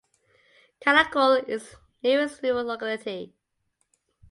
Karakul is the nearest rural locality.